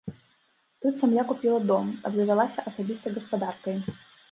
Тут сям'я купіла дом, абзавялася асабістай гаспадаркай.